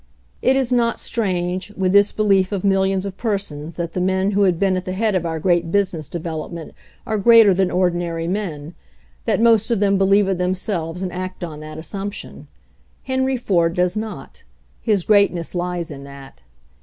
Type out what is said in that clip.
It is not strange, with this belief of millions of persons that the men who have been at the head of our great business development are [ greater than ordinary men, that most of them ; believe it themselves and act on that assump | tion. Henry Ford does not. His greatness lies in that.